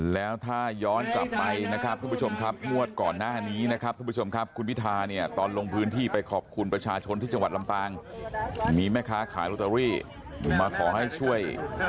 แล้วถ้าย้อนกลับไปนะครับทุกผู้ชมครับงวดก่อนหน้านี้นะครับทุกผู้ชมครับคุณพิธาเนี่ยตอนลงพื้นที่ไปขอบคุณประชาชนที่จังหวัดลำปางมีแม่ค้าขายลอตเตอรี่มาขอให้ช่วย